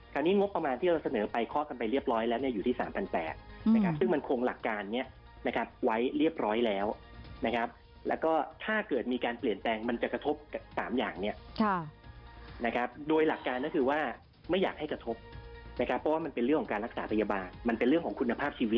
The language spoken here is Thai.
งบประมาณที่เราเสนอไปเคาะกันไปเรียบร้อยแล้วเนี่ยอยู่ที่๓๘๐๐นะครับซึ่งมันคงหลักการนี้นะครับไว้เรียบร้อยแล้วนะครับแล้วก็ถ้าเกิดมีการเปลี่ยนแปลงมันจะกระทบกับ๓อย่างเนี่ยนะครับโดยหลักการก็คือว่าไม่อยากให้กระทบนะครับเพราะว่ามันเป็นเรื่องของการรักษาพยาบาลมันเป็นเรื่องของคุณภาพชีวิต